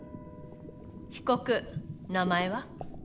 被告名前は？